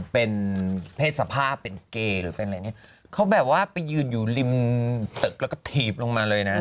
เป็นเพศสภาพเป็นเกย์หรือเป็นอะไรเนี่ยเขาแบบว่าไปยืนอยู่ริมตึกแล้วก็ถีบลงมาเลยนะ